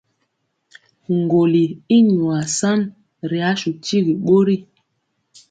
Ŋgɔli i nwa sa ri asu tigi ɓori.